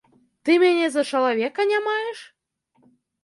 Ты мяне за чалавека не маеш?